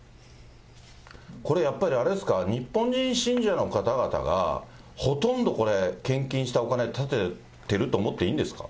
これやっぱり、あれですか、日本人信者の方々が、ほとんどこれ、献金したお金で建ててると思っていいんですか？